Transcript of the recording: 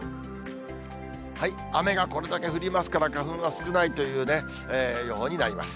雨がこれだけ降りますから、花粉は少ないという予報になります。